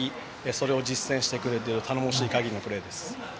それを実践してくれたという頼もしい限りのプレーです。